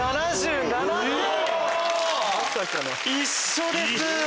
一緒です！